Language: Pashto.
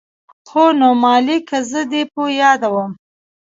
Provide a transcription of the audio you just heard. هو نو مالې که زه دې په ياده وم.